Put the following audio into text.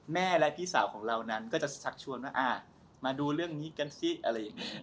แม่และพี่สาวของเรานั้นก็จะชักชวนว่ามาดูเรื่องนี้กันสิอะไรอย่างนี้